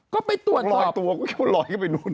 ก็ไปตรวจสอบลอยตัวก็เพราะว่าลอยเข้ากันไปนู้น